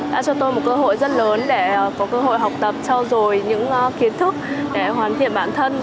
đã cho tôi một cơ hội rất lớn để có cơ hội học tập trao dồi những kiến thức để hoàn thiện bản thân